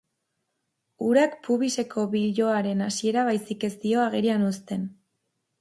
Urak pubiseko biloaren hasiera baizik ez dio agerian uzten.